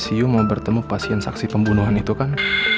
siu mau bertemu pasien saksi pembunuhan itu kan